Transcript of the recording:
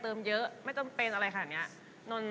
แบบว่าแบบว่าแบบว่าแบบว่าเรียกไก่